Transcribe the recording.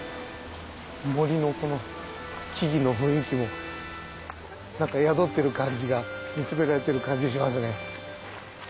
森の木々の雰囲気も何か宿ってる感じが見つめられてる感じしますね。